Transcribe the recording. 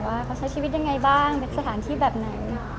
ว่าเขาใช้ชีวิตยังไงบ้างเป็นสถานที่แบบไหน